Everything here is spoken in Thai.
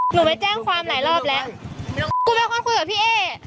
หนูไปแจ้งความหลายรอบแล้วกูเป็นคนคุยกับพี่เอ๊